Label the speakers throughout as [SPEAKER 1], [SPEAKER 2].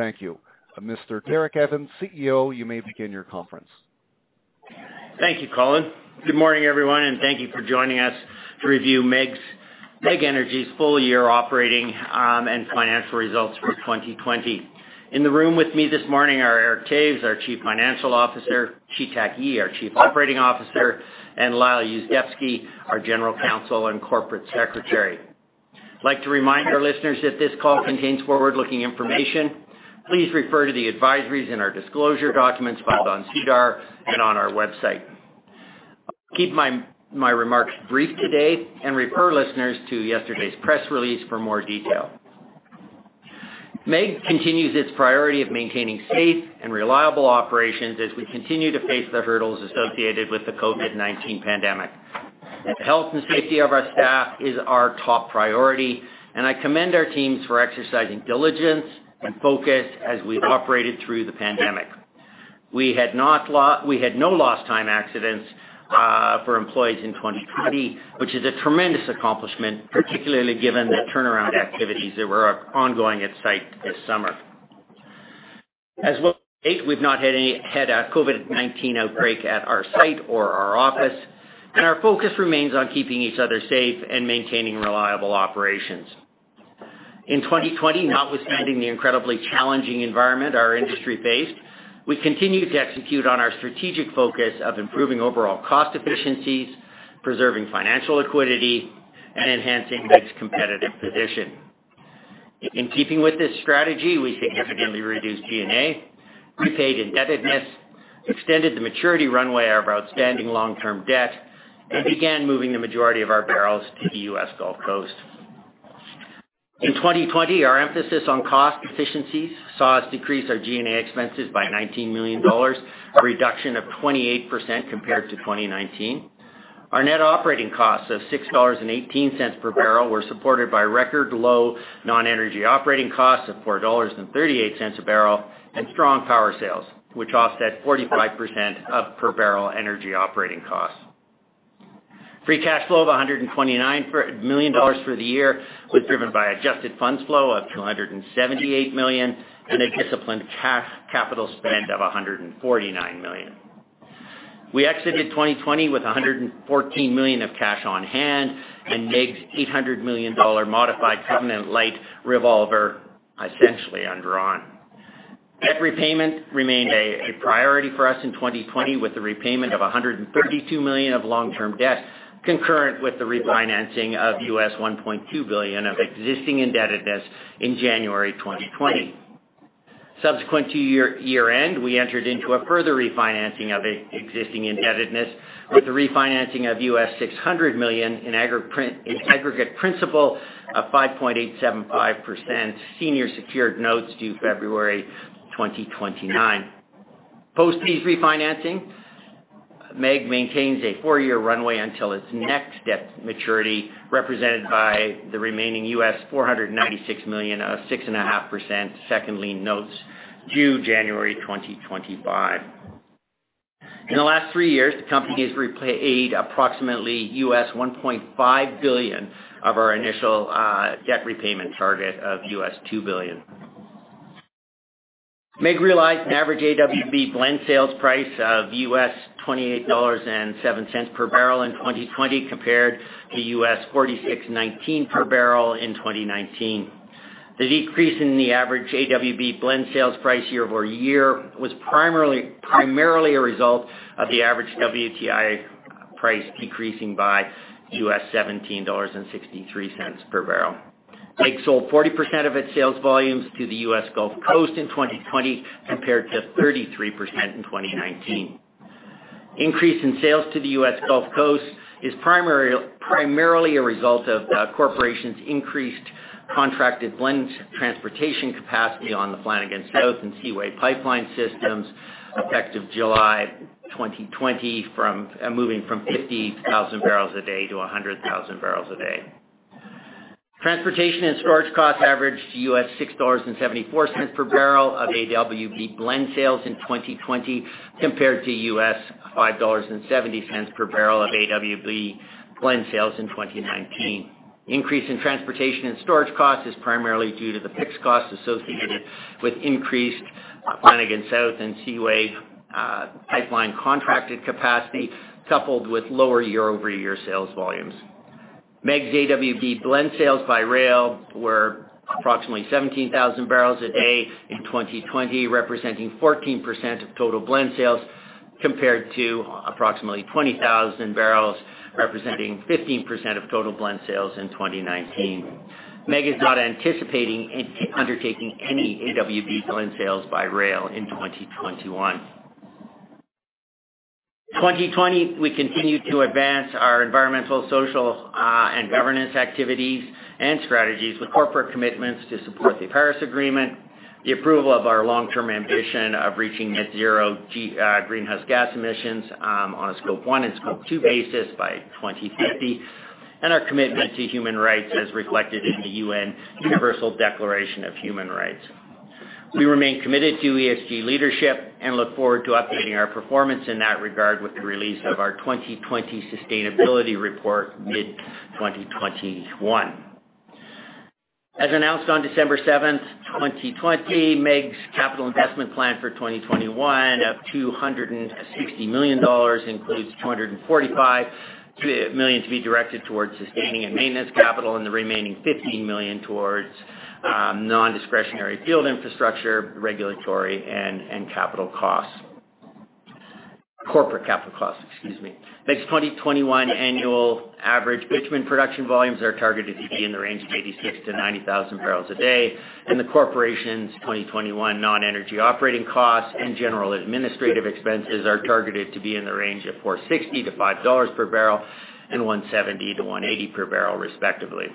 [SPEAKER 1] Thank you. Mr. Derek Evans, CEO, you may begin your conference.
[SPEAKER 2] Thank you, Colin. Good morning, everyone, and thank you for joining us to review MEG Energy's full-year operating and financial results for 2020. In the room with me this morning are Eric Toews, our Chief Financial Officer, Chi-Tak Yee, our Chief Operating Officer, and Lyle Yuzdepski, our General Counsel and Corporate Secretary. I'd like to remind our listeners that this call contains forward-looking information. Please refer to the advisories and our disclosure documents filed on SEDAR and on our website. I'll keep my remarks brief today and refer listeners to yesterday's press release for more detail. MEG continues its priority of maintaining safe and reliable operations as we continue to face the hurdles associated with the COVID-19 pandemic. The health and safety of our staff is our top priority, and I commend our teams for exercising diligence and focus as we've operated through the pandemic. We had no lost-time accidents for employees in 2020, which is a tremendous accomplishment, particularly given the turnaround activities that were ongoing at the site this summer. As of late, we've not had a COVID-19 outbreak at our site or our office, and our focus remains on keeping each other safe and maintaining reliable operations. In 2020, notwithstanding the incredibly challenging environment our industry faced, we continue to execute on our strategic focus of improving overall cost efficiencies, preserving financial liquidity, and enhancing MEG's competitive position. In keeping with this strategy, we significantly reduced G&A, repaid indebtedness, extended the maturity runway of outstanding long-term debt, and began moving the majority of our barrels to the U.S. Gulf Coast. In 2020, our emphasis on cost efficiencies saw us decrease our G&A expenses by 19 million dollars, a reduction of 28% compared to 2019. Our net operating costs of $6.18 per barrel were supported by record-low non-energy operating costs of $4.38 a barrel and strong power sales, which offset 45% of per-barrel energy operating costs. Free cash flow of 129 million dollars for the year was driven by adjusted funds flow of 278 million and a disciplined capital spend of 149 million. We exited 2020 with 114 million of cash on hand and MEG's 800 million dollar modified covenant-lite revolver essentially undrawn. Debt repayment remained a priority for us in 2020, with a repayment of 132 million of long-term debt concurrent with the refinancing of U.S. $1.2 billion of existing indebtedness in January 2020. Subsequent to year-end, we entered into a further refinancing of existing indebtedness with the refinancing of U.S. $600 million in aggregate principal of 5.875% senior secured notes due February 2029. Post this refinancing, MEG maintains a four-year runway until its next debt maturity, represented by the remaining $496 million of 6.5% second-lien notes due January 2025. In the last three years, the company has repaid approximately $1.5 billion of our initial debt repayment target of $2 billion. MEG realized an average AWB blend sales price of $28.07 per barrel in 2020 compared to $46.19 per barrel in 2019. The decrease in the average AWB blend sales price year-over-year was primarily a result of the average WTI price decreasing by $17.63 per barrel. MEG sold 40% of its sales volumes to the U.S. Gulf Coast in 2020 compared to 33% in 2019. Increase in sales to the U.S. Gulf Coast is primarily a result of the corporation's increased contracted blend transportation capacity on the Flanagan South and Seaway Pipeline systems effective July 2020, moving from 50,000 barrels a day to 100,000 barrels a day. Transportation and storage costs averaged U.S. $6.74 per barrel of AWB blend sales in 2020 compared to U.S. $5.70 per barrel of AWB blend sales in 2019. Increase in transportation and storage costs is primarily due to the fixed costs associated with increased Flanagan South and Seaway Pipeline contracted capacity, coupled with lower year-over-year sales volumes. MEG's AWB blend sales by rail were approximately 17,000 barrels a day in 2020, representing 14% of total blend sales compared to approximately 20,000 barrels representing 15% of total blend sales in 2019. MEG is not anticipating undertaking any AWB blend sales by rail in 2021. In 2020, we continued to advance our environmental, social, and governance activities and strategies with corporate commitments to support the Paris Agreement, the approval of our long-term ambition of reaching net-zero greenhouse gas emissions on a Scope 1 and Scope 2 basis by 2050, and our commitment to human rights as reflected in the UN Universal Declaration of Human Rights. We remain committed to ESG leadership and look forward to updating our performance in that regard with the release of our 2020 Sustainability Report mid-2021. As announced on December 7, 2020, MEG's capital investment plan for 2021 of $260 million includes $245 million to be directed towards sustaining and maintenance capital and the remaining $15 million towards non-discretionary field infrastructure, regulatory, and capital costs. Corporate capital costs, excuse me. MEG's 2021 annual average bitumen production volumes are targeted to be in the range of 86,000 to 90,000 barrels a day, and the corporation's 2021 non-energy operating costs and general administrative expenses are targeted to be in the range of 4.60-5 dollars per barrel and 17-18 million, respectively.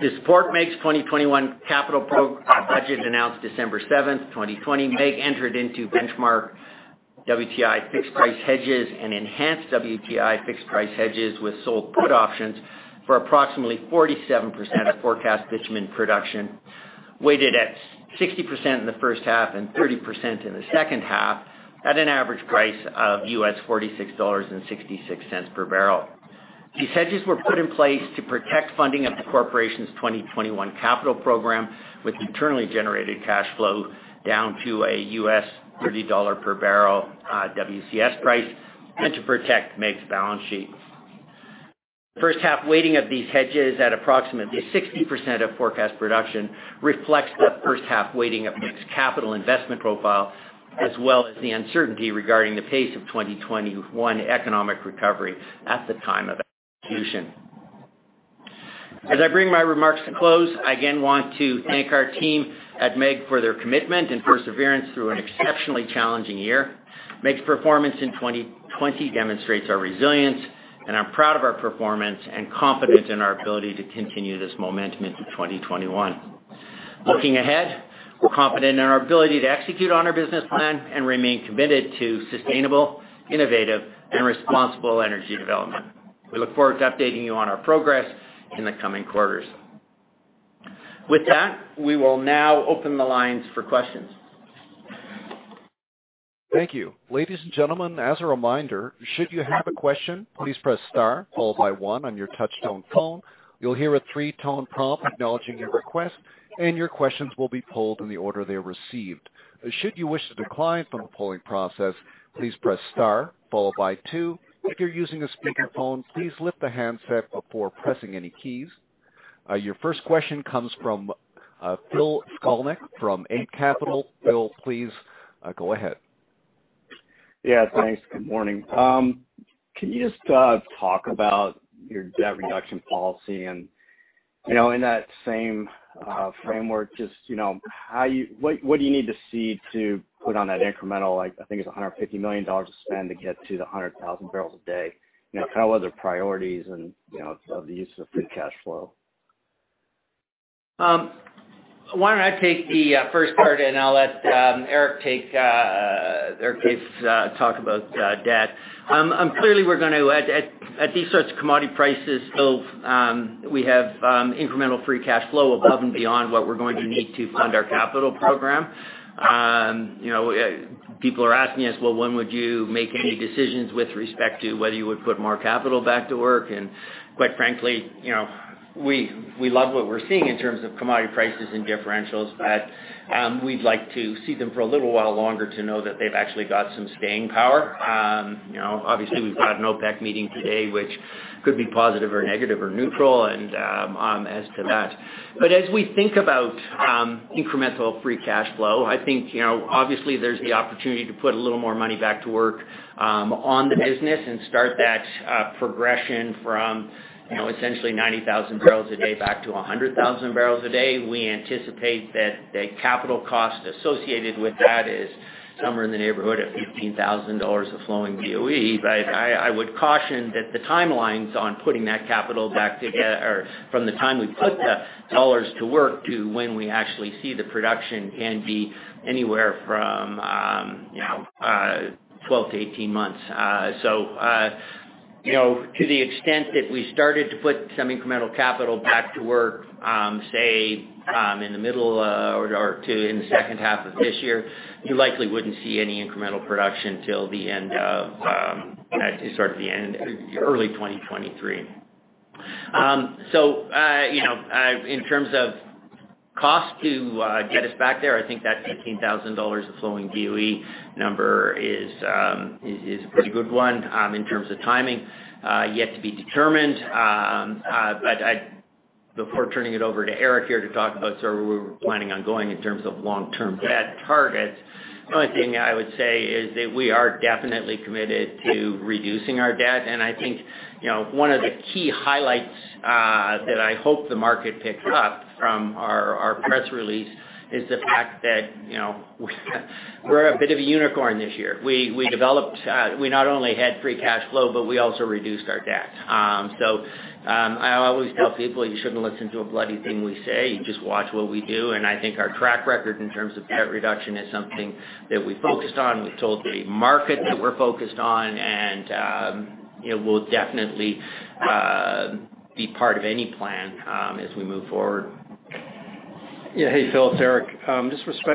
[SPEAKER 2] To support MEG's 2021 capital budget announced December 7, 2020, MEG entered into benchmark WTI fixed-price hedges and enhanced WTI fixed-price hedges with sold put options for approximately 47% of forecast bitumen production, weighted at 60% in the first half and 30% in the second half at an average price of $46.66 per barrel. These hedges were put in place to protect funding of the corporation's 2021 capital program with internally generated cash flow down to a $30 per barrel WCS price and to protect MEG's balance sheet. The first-half weighting of these hedges at approximately 60% of forecast production reflects the first-half weighting of MEG's capital investment profile, as well as the uncertainty regarding the pace of 2021 economic recovery at the time of execution. As I bring my remarks to close, I again want to thank our team at MEG for their commitment and perseverance through an exceptionally challenging year. MEG's performance in 2020 demonstrates our resilience, and I'm proud of our performance and confident in our ability to continue this momentum into 2021. Looking ahead, we're confident in our ability to execute on our business plan and remain committed to sustainable, innovative, and responsible energy development. We look forward to updating you on our progress in the coming quarters. With that, we will now open the lines for questions.
[SPEAKER 1] Thank you. Ladies and gentlemen, as a reminder, should you have a question, please press star, followed by one on your touch-tone phone. You'll hear a three-tone prompt acknowledging your request, and your questions will be polled in the order they're received. Should you wish to decline from the polling process, please press star, followed by two. If you're using a speakerphone, please lift the handset before pressing any keys. Your first question comes from Phil Skolnick from Eight Capital. Phil, please go ahead.
[SPEAKER 3] Yeah, thanks. Good morning. Can you just talk about your debt reduction policy and, in that same framework, just what do you need to see to put on that incremental, I think it's $150 million to spend to get to the 100,000 barrels a day? Kind of what are the priorities of the use of free cash flow?
[SPEAKER 2] Why don't I take the first part, and I'll let Eric Toews talk about debt. Clearly, we're going to, at these sorts of commodity prices, we have incremental free cash flow above and beyond what we're going to need to fund our capital program. People are asking us, "Well, when would you make any decisions with respect to whether you would put more capital back to work?" And quite frankly, we love what we're seeing in terms of commodity prices and differentials, but we'd like to see them for a little while longer to know that they've actually got some staying power. Obviously, we've got an OPEC meeting today, which could be positive or negative or neutral as to that. But as we think about incremental free cash flow, I think obviously there's the opportunity to put a little more money back to work on the business and start that progression from essentially 90,000 barrels a day back to 100,000 barrels a day. We anticipate that the capital cost associated with that is somewhere in the neighborhood of $15,000 of flowing BOE, but I would caution that the timelines on putting that capital back together from the time we put the dollars to work to when we actually see the production can be anywhere from 12 to 18 months. So to the extent that we started to put some incremental capital back to work, say, in the middle or in the second half of this year, you likely wouldn't see any incremental production till the end of sort of the early 2023. So in terms of cost to get us back there, I think that $15,000 of flowing BOE number is a pretty good one. In terms of timing, yet to be determined. But before turning it over to Eric here to talk about sort of where we're planning on going in terms of long-term debt targets, the only thing I would say is that we are definitely committed to reducing our debt. And I think one of the key highlights that I hope the market picks up from our press release is the fact that we're a bit of a unicorn this year. We not only had free cash flow, but we also reduced our debt. So I always tell people, "You shouldn't listen to a bloody thing we say. You just watch what we do." And I think our track record in terms of debt reduction is something that we focused on. We've told the market that we're focused on, and we'll definitely be part of any plan as we move forward.
[SPEAKER 4] Yeah. Hey, Phil. It's Eric.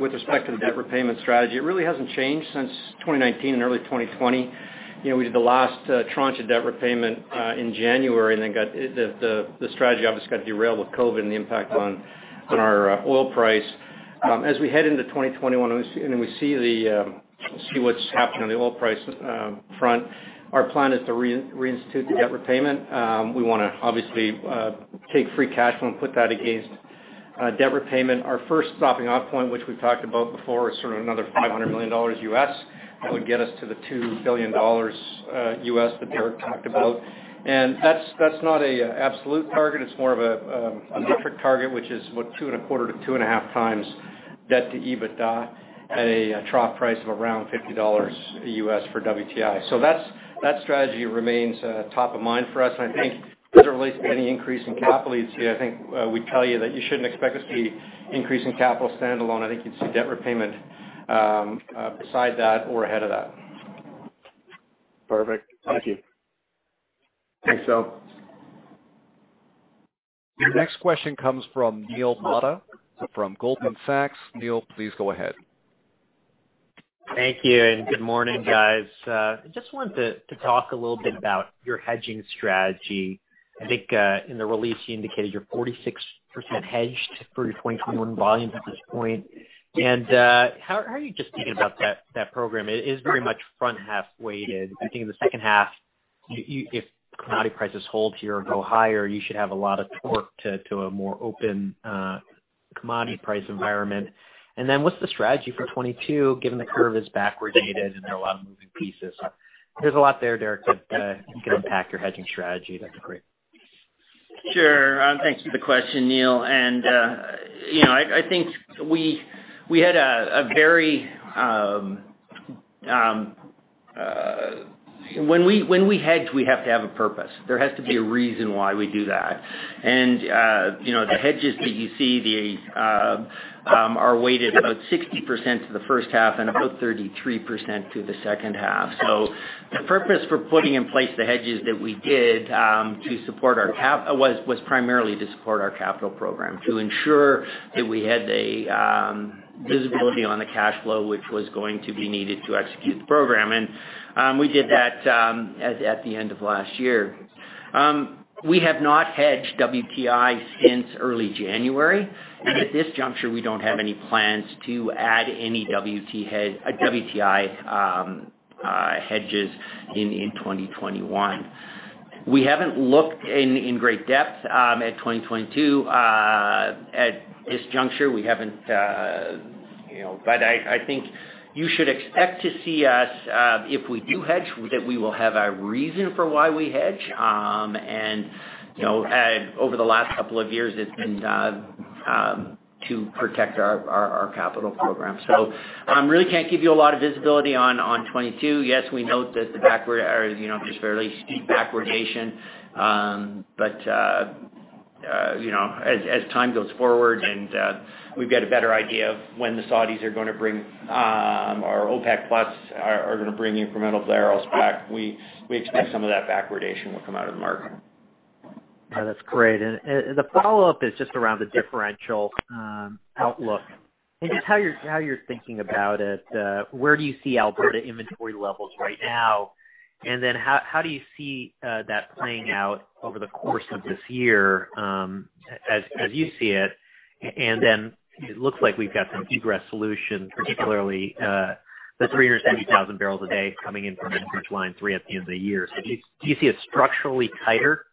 [SPEAKER 4] With respect to the debt repayment strategy, it really hasn't changed since 2019 and early 2020. We did the last tranche of debt repayment in January and then the strategy obviously got derailed with COVID and the impact on our oil price. As we head into 2021 and we see what's happening on the oil price front, our plan is to reinstitute the debt repayment. We want to obviously take free cash flow and put that against debt repayment. Our first stopping-off point, which we've talked about before, is sort of another $500 million. That would get us to the $2 billion that Eric talked about. And that's not an absolute target. It's more of a metric target, which is, what, two and a quarter to two and a half times debt to EBITDA at a trough price of around $50. for WTI. So that strategy remains top of mind for us. And I think as it relates to any increase in capital you'd see, I think you'd see debt repayment beside that or ahead of that.
[SPEAKER 3] Perfect. Thank you.
[SPEAKER 4] Thanks, Phil.
[SPEAKER 1] Next question comes from Neil Mehta from Goldman Sachs. Neil, please go ahead.
[SPEAKER 5] Thank you. And good morning, guys. I just wanted to talk a little bit about your hedging strategy. I think in the release, you indicated you're 46% hedged for your 2021 volumes at this point. And how are you just thinking about that program? It is very much front-half weighted. I think in the second half, if commodity prices hold here or go higher, you should have a lot of torque to a more open commodity price environment. And then what's the strategy for 2022, given the curve is backwardated and there are a lot of moving pieces? There's a lot there, Derek, that can impact your hedging strategy. That's great.
[SPEAKER 2] Sure. Thanks for the question, Neil. I think when we hedge, we have to have a purpose. There has to be a reason why we do that. The hedges that you see are weighted about 60% to the first half and about 33% to the second half. So the purpose for putting in place the hedges that we did to support our capital program was primarily to support our capital program, to ensure that we had the visibility on the cash flow, which was going to be needed to execute the program. We did that at the end of last year. We have not hedged WTI since early January. At this juncture, we don't have any plans to add any WTI hedges in 2021. We haven't looked in great depth at 2022. At this juncture, we haven't. But I think you should expect to see us, if we do hedge, that we will have a reason for why we hedge. And over the last couple of years, it's been to protect our capital program. So I really can't give you a lot of visibility on 2022. Yes, we note that the backwardation is fairly steep. But as time goes forward and we've got a better idea of when the Saudis are going to bring or OPEC Plus are going to bring incremental barrels back, we expect some of that backwardation will come out of the market.
[SPEAKER 5] That's great. And the follow-up is just around the differential outlook. And just how you're thinking about it, where do you see Alberta inventory levels right now? And then how do you see that playing out over the course of this year as you see it? And then it looks like we've got some egress solutions, particularly the 370,000 barrels a day coming in from the Enbridge Line 3 at the end of the year. So do you see a structurally tighter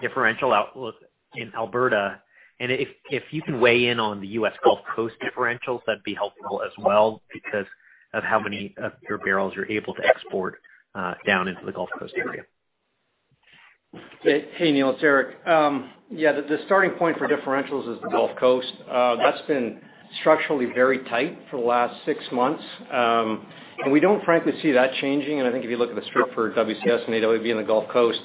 [SPEAKER 5] differential outlook in Alberta? And if you can weigh in on the U.S. Gulf Coast differentials, that'd be helpful as well because of how many of your barrels you're able to export down into the Gulf Coast area.
[SPEAKER 4] Hey, Neil. It's Eric. Yeah, the starting point for differentials is the Gulf Coast. That's been structurally very tight for the last six months. And we don't, frankly, see that changing. And I think if you look at the strip for WCS and AWB in the Gulf Coast,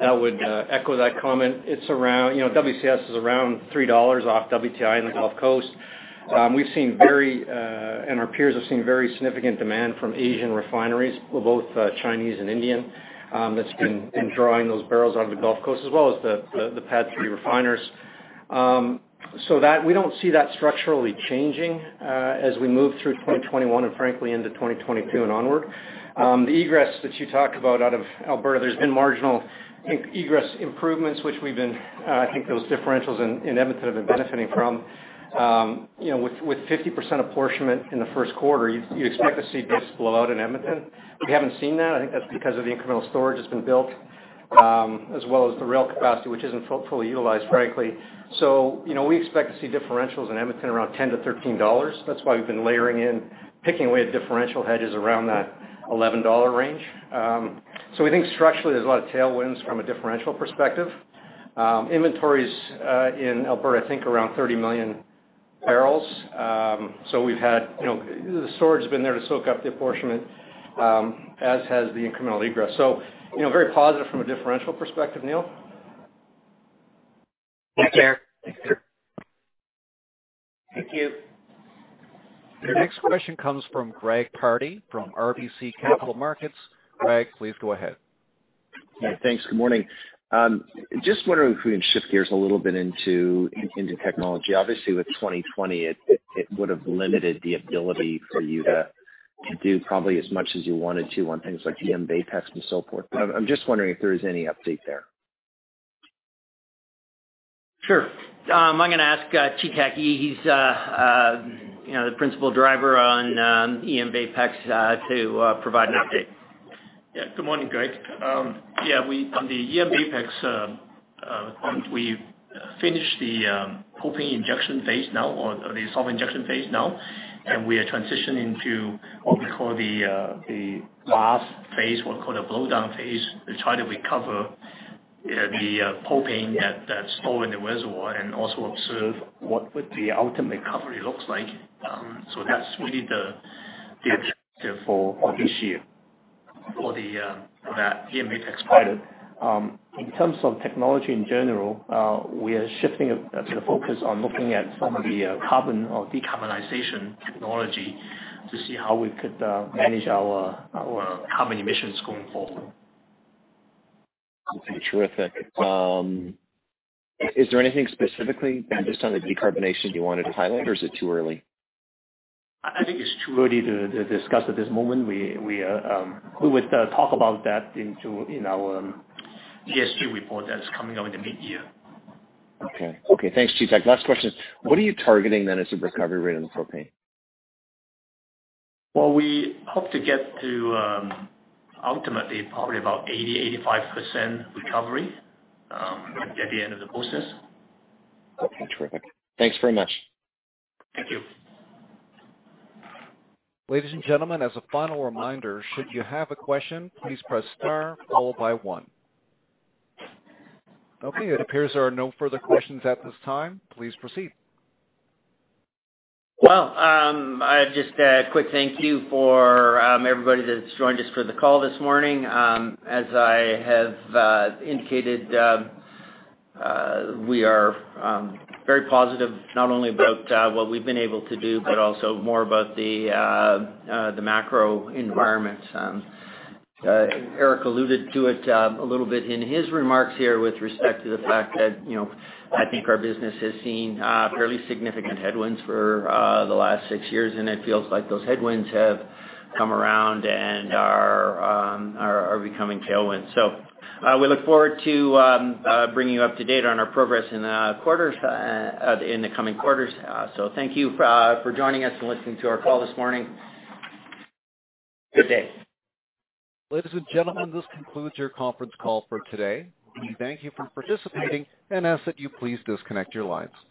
[SPEAKER 4] that would echo that comment. WCS is around $3 off WTI in the Gulf Coast. We've seen very, and our peers have seen very significant demand from Asian refineries, both Chinese and Indian, that's been drawing those barrels out of the Gulf Coast, as well as the PADD 3 refiners. So we don't see that structurally changing as we move through 2021 and, frankly, into 2022 and onward. The egress that you talk about out of Alberta, there's been marginal egress improvements, which we've been. I think those differentials in Edmonton have been benefiting from. With 50% apportionment in the first quarter, you'd expect to see this blow out in Edmonton. We haven't seen that. I think that's because of the incremental storage that's been built, as well as the rail capacity, which isn't fully utilized, frankly. So we expect to see differentials in Edmonton around $10-$13. That's why we've been layering in, picking away at differential hedges around that $11 range. So we think structurally there's a lot of tailwinds from a differential perspective. Inventories in Alberta, I think, around 30 million barrels. So we've had the storage has been there to soak up the apportionment, as has the incremental egress. So very positive from a differential perspective, Neil.
[SPEAKER 5] Thanks, Eric.
[SPEAKER 4] Thank you.
[SPEAKER 1] The next question comes from Greg Pardy from RBC Capital Markets. Greg, please go ahead.
[SPEAKER 6] Yeah, thanks. Good morning. Just wondering if we can shift gears a little bit into technology. Obviously, with 2020, it would have limited the ability for you to do probably as much as you wanted to on things like eMVAPEX and so forth. But I'm just wondering if there is any update there.
[SPEAKER 2] Sure. I'm going to ask Chi-Tak Yee. He's the principal driver on eMVAPEX to provide an update.
[SPEAKER 7] Yeah. Good morning, Greg. Yeah, on the eMVAPEX, we finished the propane injection phase now or the solvent injection phase now. And we are transitioning to what we call the last phase, what we call the blowdown phase, to try to recover the propane that's stored in the reservoir and also observe what the ultimate recovery looks like. So that's really the objective for this year, for that eMVAPEX pilot. In terms of technology in general, we are shifting the focus on looking at some of the carbon or decarbonization technology to see how we could manage our carbon emissions going forward.
[SPEAKER 6] Terrific. Is there anything specifically based on the decarbonization you wanted to highlight, or is it too early?
[SPEAKER 7] I think it's too early to discuss at this moment. We would talk about that in our ESG report that's coming out in the mid-year.
[SPEAKER 6] Okay. Okay. Thanks, Chi-Tak. Last question. What are you targeting then as a recovery rate on the propane?
[SPEAKER 7] We hope to get to ultimately probably about 80%-85% recovery at the end of the process.
[SPEAKER 6] Okay. Terrific. Thanks very much.
[SPEAKER 7] Thank you.
[SPEAKER 1] Ladies and gentlemen, as a final reminder, should you have a question, please press star, followed by one. Okay. It appears there are no further questions at this time. Please proceed.
[SPEAKER 2] Just a quick thank you for everybody that's joined us for the call this morning. As I have indicated, we are very positive not only about what we've been able to do, but also more about the macro environment. Eric alluded to it a little bit in his remarks here with respect to the fact that I think our business has seen fairly significant headwinds for the last six years, and it feels like those headwinds have come around and are becoming tailwinds. We look forward to bringing you up to date on our progress in the coming quarters. Thank you for joining us and listening to our call this morning. Good day.
[SPEAKER 1] Ladies and gentlemen, this concludes your conference call for today. We thank you for participating and ask that you please disconnect your lines.